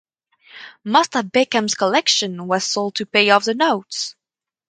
Most of Beckman's collection was sold to pay off the notes.